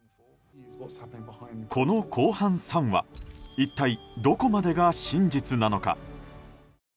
この後半３話一体どこまでが真実なのか？